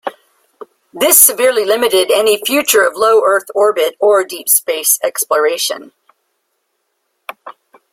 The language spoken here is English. This severely limited any future of low earth orbit or deep space exploration.